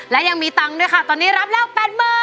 และยังมีตังค์ด้วยค่ะตอนนี้รับแล้ว๘๐๐๐